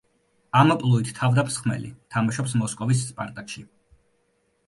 ამპლუით თავდამსხმელი, თამაშობს მოსკოვის სპარტაკში.